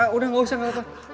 udah gak usah gak apa apa